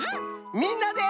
みんなで。